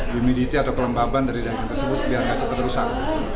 humidity atau kelembaban dari daging tersebut biar gak cepat rusak